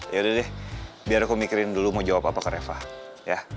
yaudah deh biar aku mikirin dulu mau jawab apa ke refa ya